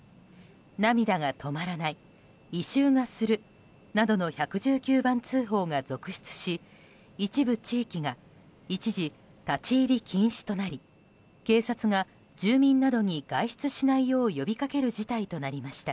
涙が止まらない異臭がするなどの１１９番通報が続出し一部地域が一時、立ち入り禁止となり警察が住民などに外出しないよう呼びかける事態となりました。